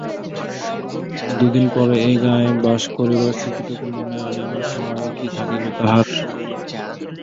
দুদিন পরে এ গাঁয়ে বাস করিবার স্মৃতিটুকু মনে আনিবার সময়ও কি থাকিবে তাহার?